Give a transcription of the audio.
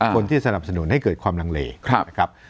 คนที่สนับสนุนให้เกิดความลังเลนะครับ